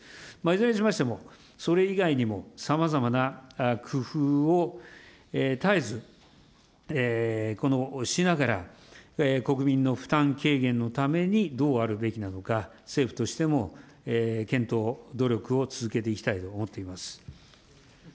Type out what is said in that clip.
いずれにしましても、それ以外にもさまざまな工夫を絶えずしながら、国民の負担軽減のためにどうあるべきなのか、政府としても検討、努力を続けていきたいと思っています。